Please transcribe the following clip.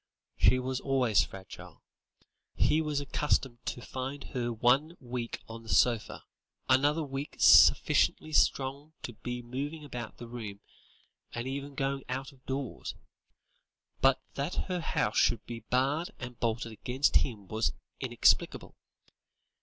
She was always fragile; he was accustomed to find her one week on the sofa, another week sufficiently strong to be moving about the room, and even going out of doors. But that her house should be barred and bolted against him was inexplicable.